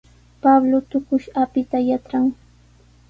Pablo tuqush apita yatran.